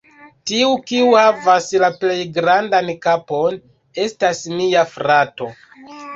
Tiu, kiu havis la plej grandan kapon, estas mia frato.